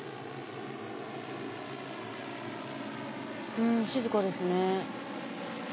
うん静かですね。